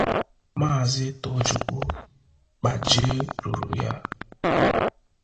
Maazị Tochukwu Kpajie rụrụ ya.